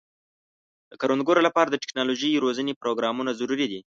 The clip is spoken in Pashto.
د کروندګرو لپاره د ټکنالوژۍ روزنې پروګرامونه ضروري دي.